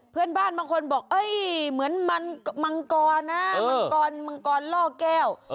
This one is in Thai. เพื่อนบ้านบางคนบอกเหมือนมังกรนะมังกรมังกรล่อแก้ว